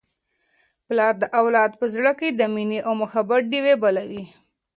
پلار د اولاد په زړه کي د مینې او محبت ډېوې بلوي.